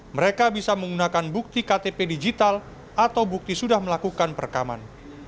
mereka bisa menggunakan bukti ktp digital atau bukti sudah melakukan perekaman